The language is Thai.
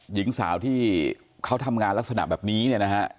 หญิงสาวที่เขาทำงานลักษณะแบบนี้เนี่ยนะฮะ